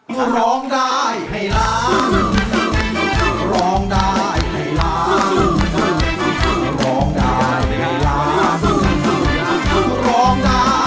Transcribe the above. สวัสดีค่ะคุณช้าง